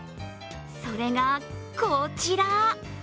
それがこちら。